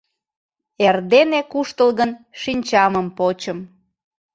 Эрдене куштылгын шинчамым почым.